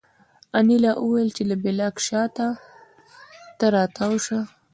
انیلا وویل چې د بلاک شا ته را تاو شه